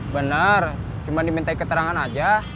bener cuma diminta keterangan aja